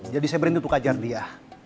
jadi saya berhenti untuk ngajar dia